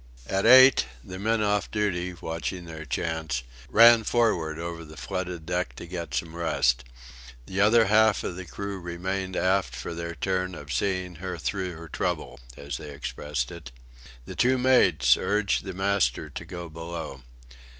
At eight the men off duty, watching their chance, ran forward over the flooded deck to get some rest. The other half of the crew remained aft for their turn of "seeing her through her trouble," as they expressed it. The two mates urged the master to go below.